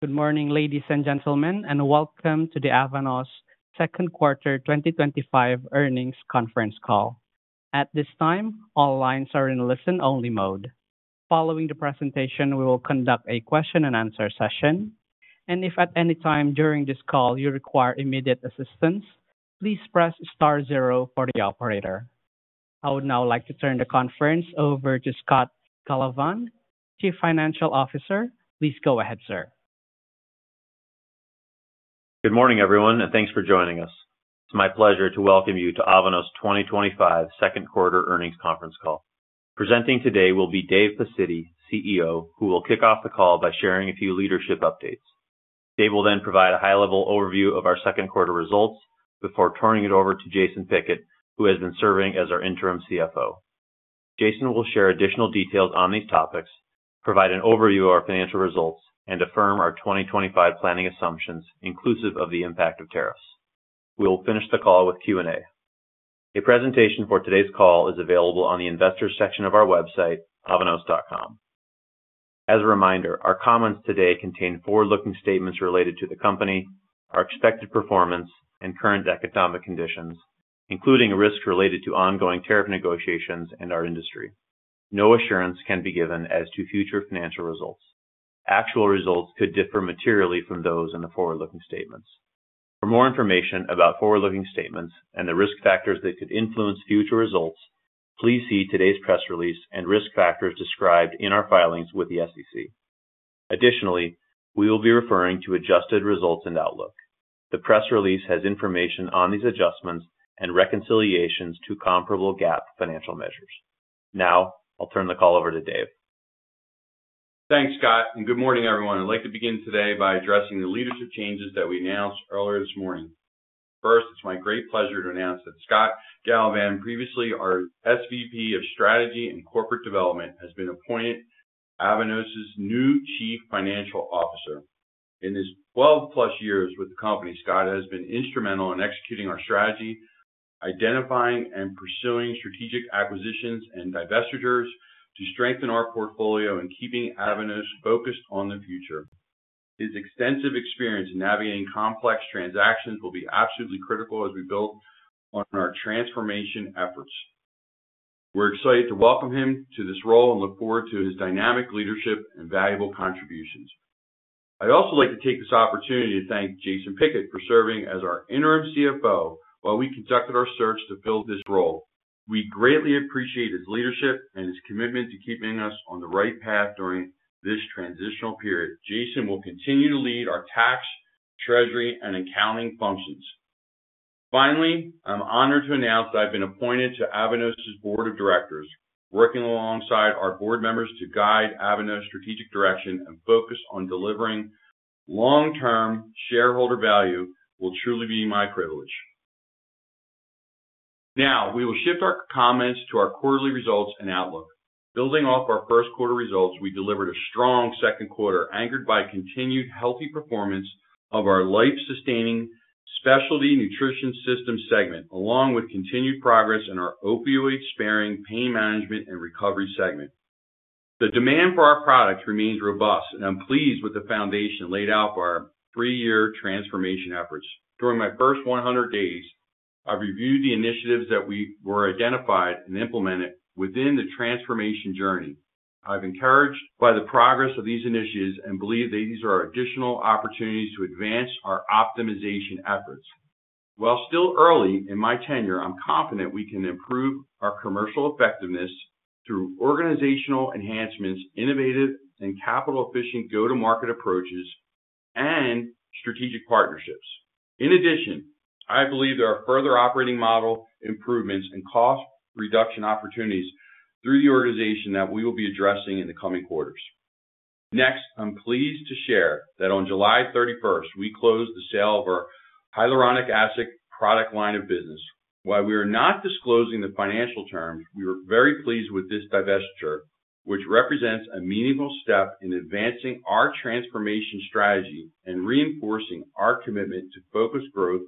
Good morning, ladies and gentlemen, and welcome to the Avanos' Second Quarter 2025 Earnings Conference Call. At this time, all lines are in listen-only mode. Following the presentation, we will conduct a question-and-answer session, and if at any time during this call you require immediate assistance, please press star zero for the operator. I would now like to turn the conference over to Scott Galovan, Chief Financial Officer. Please go ahead, sir. Good morning, everyone, and thanks for joining us. It's my pleasure to welcome you to Avanos Medical Inc. 2025 second quarter earnings conference call. Presenting today will be Dave Pacitti, CEO, who will kick off the call by sharing a few leadership updates. Dave will then provide a high-level overview of our second quarter results before turning it over to Jason Pickett, who has been serving as our Interim CFO. Jason will share additional details on these topics, provide an overview of our financial results, and affirm our 2025 planning assumptions, inclusive of the impact of tariffs. We will finish the call with Q&A. A presentation for today's call is available on the Investors section of our website, avanos.com. As a reminder, our comments today contain forward-looking statements related to the company, our expected performance, and current economic conditions, including a risk related to ongoing tariff negotiations and our industry. No assurance can be given as to future financial results. Actual results could differ materially from those in the forward-looking statements. For more information about forward-looking statements and the risk factors that could influence future results, please see today's press release and risk factors described in our filings with the SEC. Additionally, we will be referring to adjusted results and outlook. The press release has information on these adjustments and reconciliations to comparable GAAP financial measures. Now, I'll turn the call over to Dave. Thanks, Scott, and good morning, everyone. I'd like to begin today by addressing the leadership changes that we announced earlier this morning. First, it's my great pleasure to announce that Scott Galovan, previously our SVP of Strategy and Corporate Development, has been appointed Avanos' new Chief Financial Officer. In his 12-plus years with the company, Scott has been instrumental in executing our strategy, identifying and pursuing strategic acquisitions and divestitures to strengthen our portfolio, and keeping Avanos focused on the future. His extensive experience in navigating complex transactions will be absolutely critical as we build on our transformation efforts. We're excited to welcome him to this role and look forward to his dynamic leadership and valuable contributions. I'd also like to take this opportunity to thank Jason Pickett for serving as our Interim CFO while we conducted our search to fill this role. We greatly appreciate his leadership and his commitment to keeping us on the right path during this transitional period. Jason will continue to lead our tax, treasury, and accounting functions. Finally, I'm honored to announce that I've been appointed to Avanos' Board of Directors. Working alongside our board members to guide Avanos' strategic direction and focus on delivering long-term shareholder value will truly be my privilege. Now, we will shift our comments to our quarterly results and outlook. Building off our first quarter results, we delivered a strong second quarter anchored by continued healthy performance of our life-sustaining Specialty Nutrition Systems segment, along with continued progress in our opioid-sparing Pain Management and Recovery segment. The demand for our products remains robust, and I'm pleased with the foundation laid out for our three-year transformation efforts. During my first 100 days, I've reviewed the initiatives that we identified and implemented within the transformation journey. I'm encouraged by the progress of these initiatives and believe that these are additional opportunities to advance our optimization efforts. While still early in my tenure, I'm confident we can improve our commercial effectiveness through organizational enhancements, innovative, and capital-efficient go-to-market approaches, and strategic partnerships. In addition, I believe there are further operating model improvements and cost reduction opportunities through the organization that we will be addressing in the coming quarters. Next, I'm pleased to share that on July 31, we closed the sale of our hyaluronic acid product line of business. While we are not disclosing the financial terms, we are very pleased with this divestiture, which represents a meaningful step in advancing our transformation strategy and reinforcing our commitment to focused growth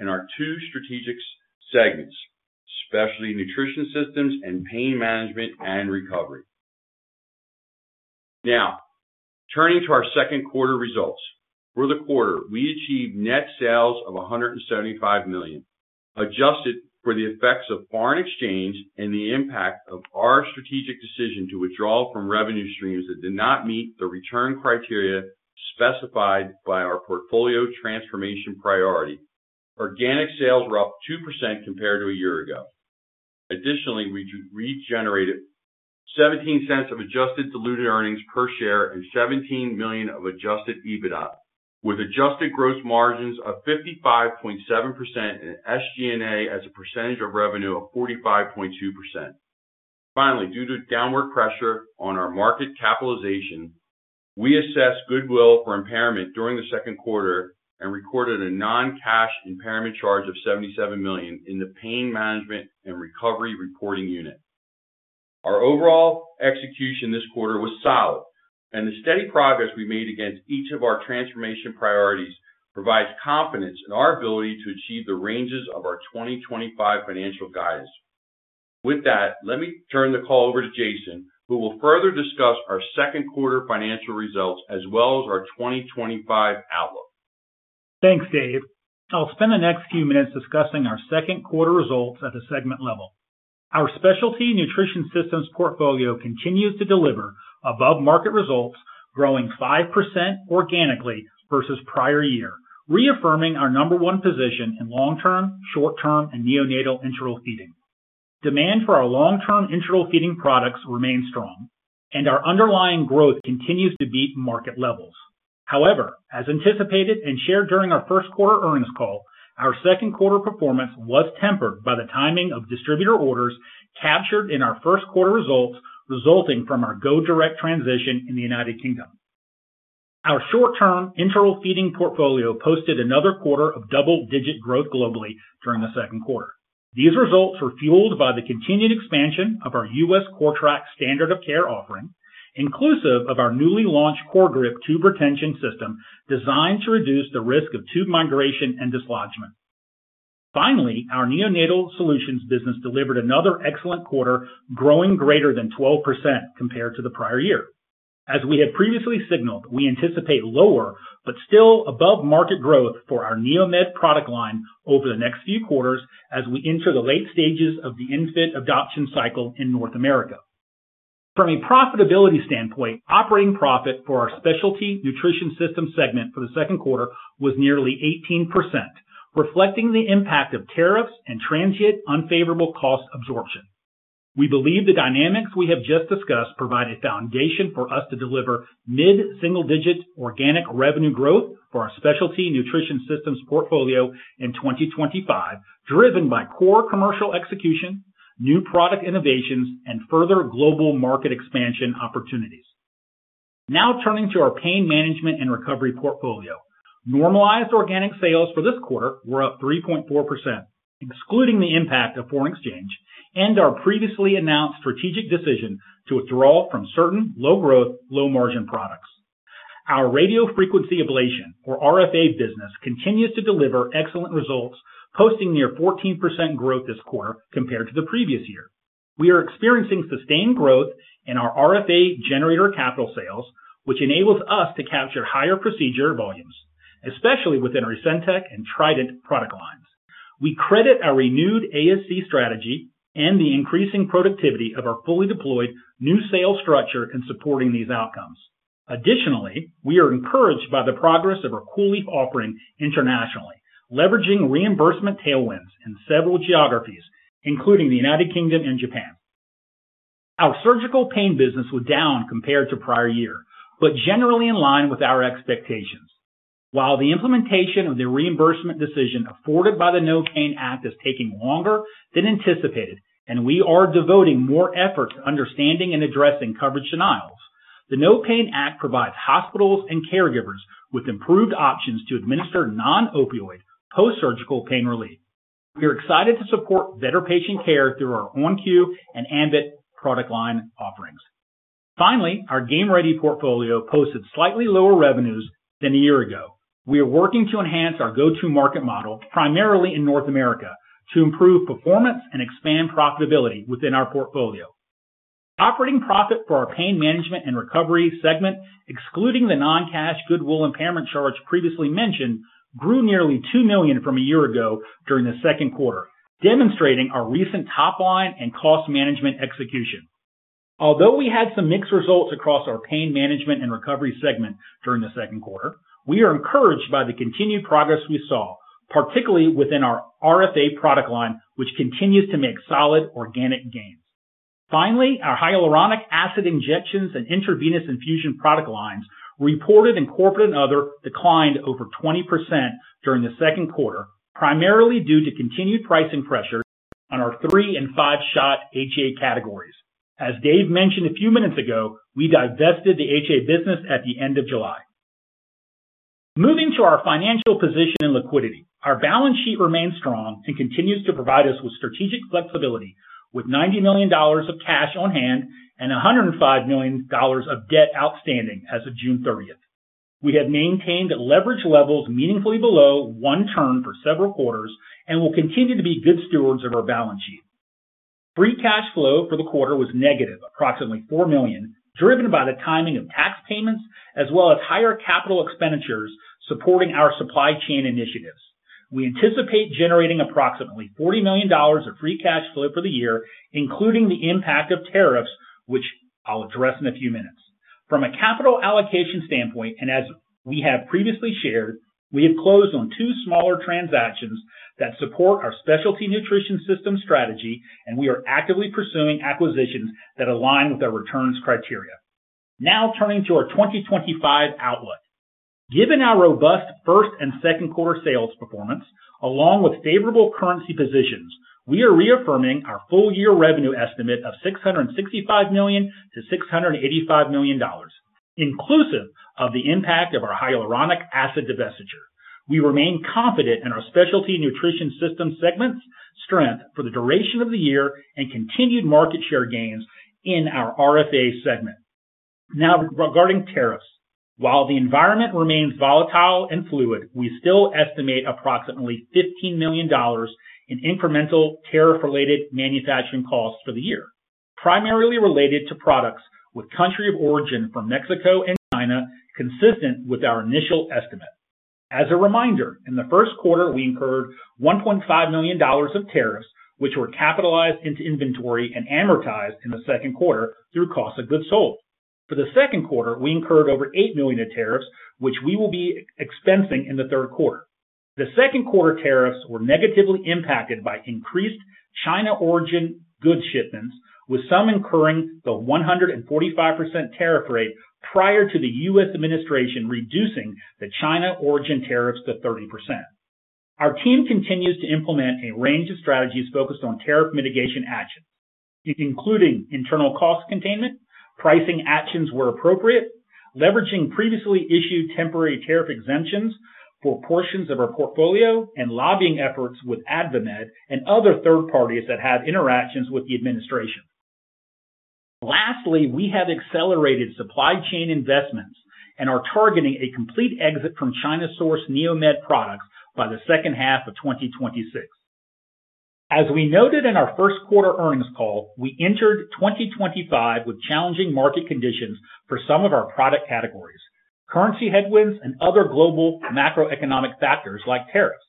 in our two strategic segments, Specialty Nutrition Systems and Pain Management and Recovery. Now, turning to our second quarter results, for the quarter, we achieved net sales of $175 million, adjusted for the effects of foreign exchange and the impact of our strategic decision to withdraw from revenue streams that did not meet the return criteria specified by our portfolio transformation priority. Organic sales were up 2% compared to a year ago. Additionally, we generated $0.17 of adjusted diluted EPS and $17 million of adjusted EBITDA, with adjusted gross margins of 55.7% and SG&A as a percentage of revenue of 45.2%. Finally, due to downward pressure on our market capitalization, we assessed goodwill for impairment during the second quarter and recorded a non-cash impairment charge of $77 million in the Pain Management and Recovery Reporting Unit. Our overall execution this quarter was solid, and the steady progress we made against each of our transformation priorities provides confidence in our ability to achieve the ranges of our 2025 financial guidance. With that, let me turn the call over to Jason, who will further discuss our second quarter financial results as well as our 2025 outlook. Thanks, Dave. I'll spend the next few minutes discussing our second quarter results at the segment level. Our Specialty Nutrition Systems portfolio continues to deliver above-market results, growing 5% organically versus prior year, reaffirming our number one position in long-term, short-term, and neonatal enteral feeding. Demand for our long-term enteral feeding products remains strong, and our underlying growth continues to beat market levels. However, as anticipated and shared during our first quarter earnings call, our second quarter performance was tempered by the timing of distributor orders captured in our first quarter results, resulting from our go direct transition in the United Kingdom. Our short-term enteral feeding portfolio posted another quarter of double-digit growth globally during the second quarter. These results were fueled by the continued expansion of our U.S. CORTRAK standard of care offering, inclusive of our newly launched CORGRIP tube retention system, designed to reduce the risk of tube migration and dislodgement. Finally, our neonatal solutions business delivered another excellent quarter, growing greater than 12% compared to the prior year. As we had previously signaled, we anticipate lower but still above-market growth for our neonatal product line over the next few quarters as we enter the late stages of the infant adoption cycle in North America. From a profitability standpoint, operating profit for our Specialty Nutrition Systems segment for the second quarter was nearly 18%, reflecting the impact of tariffs and transient unfavorable cost absorption. We believe the dynamics we have just discussed provide a foundation for us to deliver mid-single-digit organic revenue growth for our Specialty Nutrition Systems portfolio in 2025, driven by core commercial execution, new product innovations, and further global market expansion opportunities. Now turning to our Pain Management and Recovery portfolio, normalized organic sales for this quarter were up 3.4%, excluding the impact of foreign exchange and our previously announced strategic decision to withdraw from certain low-growth, low-margin products. Our radio frequency ablation, or RFA, business continues to deliver excellent results, posting near 14% growth this quarter compared to the previous year. We are experiencing sustained growth in our RFA generator capital sales, which enables us to capture higher procedure volumes, especially within our Ascentec and Trident product lines. We credit our renewed ASC strategy and the increasing productivity of our fully deployed new sales structure in supporting these outcomes. Additionally, we are encouraged by the progress of our COOLIEF offering internationally, leveraging reimbursement tailwinds in several geographies, including the United Kingdom and Japan. Our surgical pain business was down compared to prior year, but generally in line with our expectations. While the implementation of the reimbursement decision afforded by the No Pain Act is taking longer than anticipated, and we are devoting more efforts to understanding and addressing coverage denials, the No Pain Act provides hospitals and caregivers with improved options to administer non-opioid post-surgical pain relief. We are excited to support better patient care through our OnQ and Ambit product line offerings. Finally, our Game Ready portfolio posted slightly lower revenues than a year ago. We are working to enhance our go-to-market model, primarily in North America, to improve performance and expand profitability within our portfolio. Operating profit for our Pain Management and Recovery segment, excluding the non-cash goodwill impairment charge previously mentioned, grew nearly $2 million from a year ago during the second quarter, demonstrating our recent top line and cost management execution. Although we had some mixed results across our Pain Management and Recovery segment during the second quarter, we are encouraged by the continued progress we saw, particularly within our RFA product line, which continues to make solid organic gain. Finally, our hyaluronic acid injections and intravenous infusion product lines, reported in corporate and other, declined over 20% during the second quarter, primarily due to continued pricing pressure on our three and five-shot HA categories. As Dave mentioned a few minutes ago, we divested the HA business at the end of July. Moving to our financial position and liquidity, our balance sheet remains strong and continues to provide us with strategic flexibility, with $90 million of cash on hand and $105 million of debt outstanding as of June 30th. We have maintained leverage levels meaningfully below one turn for several quarters and will continue to be good stewards of our balance sheet. Free cash flow for the quarter was negative, approximately $4 million, driven by the timing of tax payments as well as higher capital expenditures supporting our supply chain initiatives. We anticipate generating approximately $40 million of free cash flow for the year, including the impact of tariffs, which I'll address in a few minutes. From a capital allocation standpoint, and as we have previously shared, we have closed on two smaller transactions that support our Specialty Nutrition Systems strategy, and we are actively pursuing acquisitions that align with our returns criteria. Now turning to our 2025 outlook. Given our robust first and second quarter sales performance, along with favorable currency positions, we are reaffirming our full-year revenue estimate of $665 million-$685 million, inclusive of the impact of our hyaluronic acid divestiture. We remain confident in our Specialty Nutrition Systems segment's strength for the duration of the year and continued market share gains in our RF ablation segment. Now regarding tariffs, while the environment remains volatile and fluid, we still estimate approximately $15 million in incremental tariff-related manufacturing costs for the year, primarily related to products with country of origin from Mexico and China, consistent with our initial estimate. As a reminder, in the first quarter, we incurred $1.5 million of tariffs, which were capitalized into inventory and amortized in the second quarter through cost of goods sold. For the second quarter, we incurred over $8 million of tariffs, which we will be expensing in the third quarter. The second quarter tariffs were negatively impacted by increased China-origin goods shipments, with some incurring the 145% tariff rate prior to the U.S. administration reducing the China-origin tariffs to 30%. Our team continues to implement a range of strategies focused on tariff mitigation actions, including internal cost containment, pricing actions where appropriate, leveraging previously issued temporary tariff exemptions for portions of our portfolio, and lobbying efforts with AdvaMed and other third parties that have interactions with the administration. Lastly, we have accelerated supply chain investments and are targeting a complete exit from China-sourced neonatal products by the second half of 2026. As we noted in our first quarter earnings call, we entered 2025 with challenging market conditions for some of our product categories, currency headwinds, and other global macroeconomic factors like tariffs.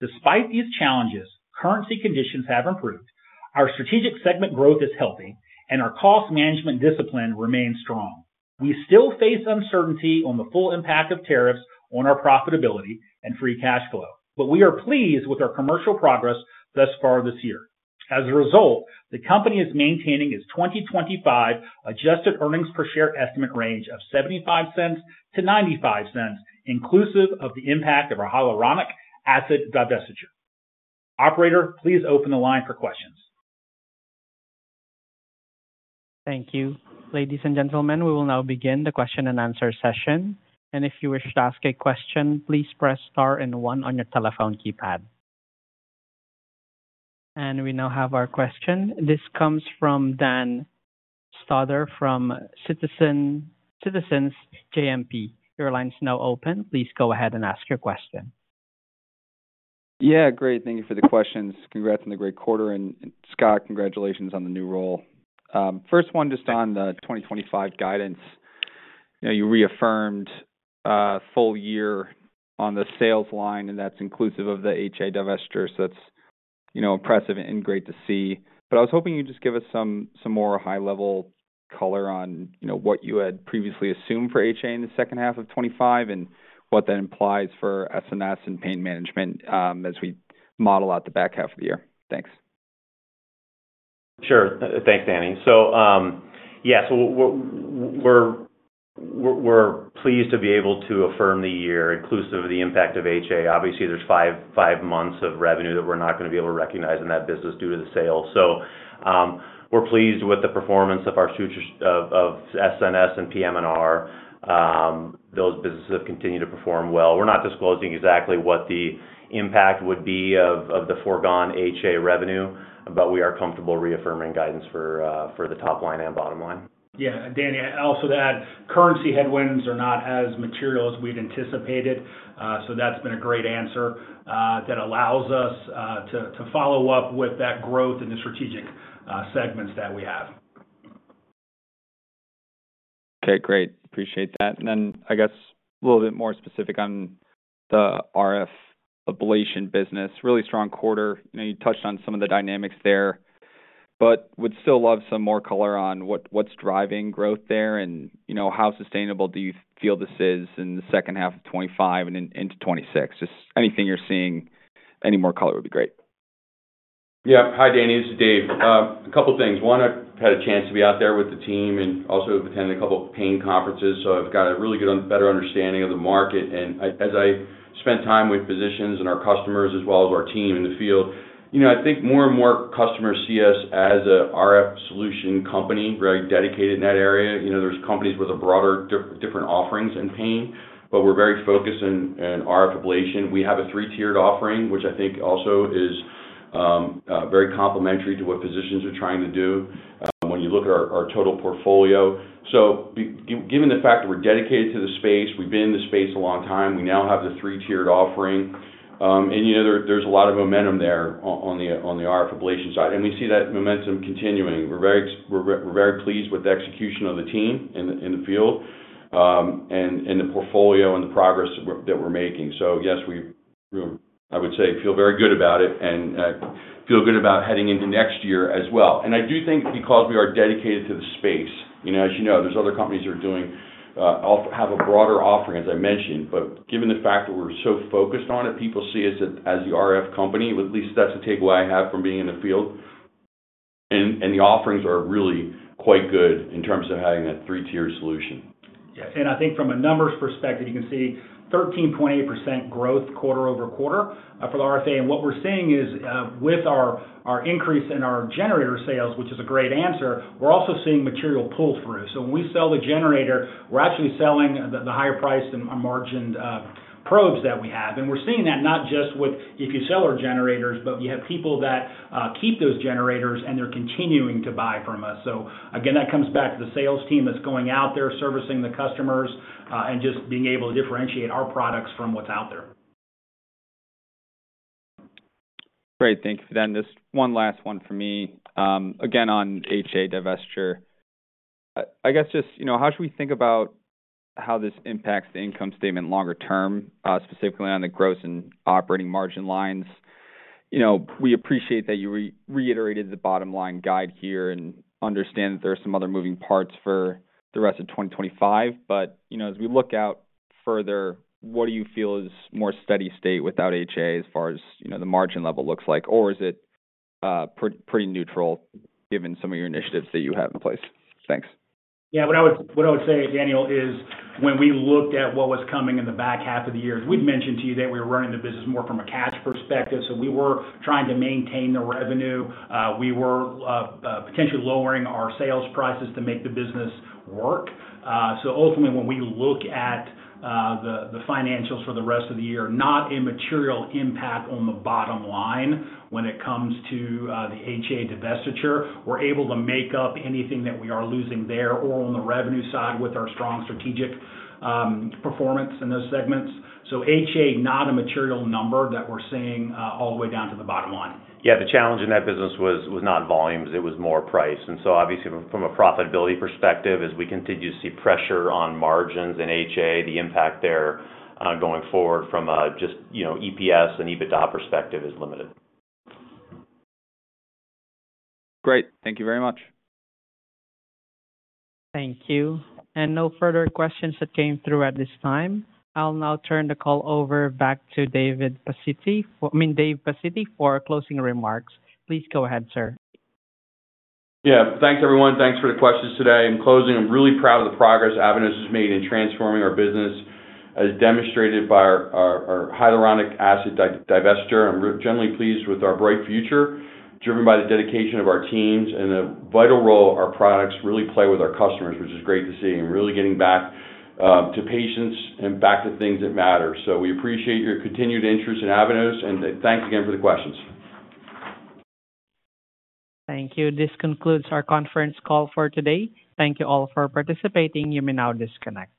Despite these challenges, currency conditions have improved, our strategic segment growth is healthy, and our cost management discipline remains strong. We still face uncertainty on the full impact of tariffs on our profitability and free cash flow, but we are pleased with our commercial progress thus far this year. As a result, the company is maintaining its 2025 adjusted earnings per share estimate range of $0.75-$0.95, inclusive of the impact of our hyaluronic acid product line divestiture. Operator, please open the line for questions. Thank you, ladies and gentlemen. We will now begin the question-and-answer session. If you wish to ask a question, please press star and one on your telephone keypad. We now have our question. This comes from Dan Stoddard from Citizens JMP Securities. Your line is now open. Please go ahead and ask your question. Yeah, great. Thank you for the questions. Congrats on the great quarter, and Scott, congratulations on the new role. First one, just on the 2025 guidance. You reaffirmed a full year on the sales line, and that's inclusive of the HA divestiture. That's impressive and great to see. I was hoping you'd just give us some more high-level color on what you had previously assumed for HA in the second half of 2025 and what that implies for SNS and pain management as we model out the back half of the year. Thanks. Sure. Thanks, Danny. We're pleased to be able to affirm the year inclusive of the impact of HA. Obviously, there's five months of revenue that we're not going to be able to recognize in that business due to the sales. We're pleased with the performance of our future of SNS and PM&R. Those businesses have continued to perform well. We're not disclosing exactly what the impact would be of the foregone HA revenue, but we are comfortable reaffirming guidance for the top line and bottom line. Yeah, Danny, I'd also add currency headwinds are not as material as we'd anticipated. That's been a great answer that allows us to follow up with that growth in the strategic segments that we have. Okay, great. Appreciate that. I guess a little bit more specific on the RF ablation business. Really strong quarter. You touched on some of the dynamics there, but would still love some more color on what's driving growth there and how sustainable do you feel this is in the second half of 2025 and into 2026? Just anything you're seeing, any more color would be great. Yeah. Hi, Danny. This is Dave. A couple of things. One, I've had a chance to be out there with the team and also attended a couple of pain conferences, so I've got a really good, better understanding of the market. As I spent time with physicians and our customers as well as our team in the field, I think more and more customers see us as an RF solution company, very dedicated in that area. There are companies with broader different offerings in pain, but we're very focused on RF ablation. We have a three-tiered offering, which I think also is very complementary to what physicians are trying to do when you look at our total portfolio. Given the fact that we're dedicated to the space, we've been in the space a long time, we now have the three-tiered offering. There's a lot of momentum there on the RF ablation side. We see that momentum continuing. We're very pleased with the execution of the team in the field and the portfolio and the progress that we're making. Yes, I would say, feel very good about it and feel good about heading into next year as well. I do think because we are dedicated to the space, as you know, there are other companies that have a broader offering, as I mentioned. Given the fact that we're so focused on it, people see us as the RF company, at least that's a takeaway I have from being in the field. The offerings are really quite good in terms of having that three-tiered solution. Yeah, and I think from a numbers perspective, you can see 13.8% growth quarter over quarter for the RFA. What we're seeing is with our increase in our generator sales, which is a great answer, we're also seeing material pull-through. When we sell the generator, we're actually selling the higher price than our margined probes that we have. We're seeing that not just with if you sell our generators, but you have people that keep those generators and they're continuing to buy from us. That comes back to the sales team that's going out there servicing the customers and just being able to differentiate our products from what's out there. Great. Thank you for that. Just one last one from me. Again, on HA divestiture, I guess just, you know, how should we think about how this impacts the income statement longer term, specifically on the gross and operating margin lines? We appreciate that you reiterated the bottom line guide here and understand that there are some other moving parts for the rest of 2025. As we look out further, what do you feel is more steady state without HA as far as, you know, the margin level looks like? Is it pretty neutral given some of your initiatives that you have in place? Thanks. Yeah, what I would say, Daniel, is when we looked at what was coming in the back half of the year, we'd mentioned to you that we were running the business more from a cash perspective. We were trying to maintain the revenue. We were potentially lowering our sales prices to make the business work. Ultimately, when we look at the financials for the rest of the year, not a material impact on the bottom line when it comes to the HA divestiture. We're able to make up anything that we are losing there or on the revenue side with our strong strategic performance in those segments. HA, not a material number that we're seeing all the way down to the bottom line. Yeah, the challenge in that business was not volumes. It was more price. Obviously, from a profitability perspective, as we continue to see pressure on margins in HA, the impact there going forward from just, you know, EPS and EBITDA perspective is limited. Great. Thank you very much. Thank you. No further questions came through at this time. I'll now turn the call over back to Dave Pacitti for closing remarks. Please go ahead, sir. Yeah, thanks, everyone. Thanks for the questions today. In closing, I'm really proud of the progress Avanos Medical Inc. has made in transforming our business, as demonstrated by our hyaluronic acid divestiture. I'm generally pleased with our bright future, driven by the dedication of our teams and the vital role our products really play with our customers, which is great to see, and really getting back to patients and back to things that matter. We appreciate your continued interest in Avanos, and thanks again for the questions. Thank you. This concludes our conference call for today. Thank you all for participating. You may now disconnect.